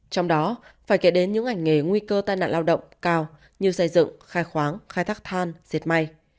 trong đó phải kể đến những ngành nghề nguy cơ tai nạn lao động cao như xây dựng khai khoáng khai thác than diệt may